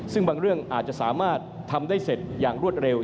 ซึ่งบางเรื่องอาจจะสามารถทำได้เสร็จอย่างรวดเร็ว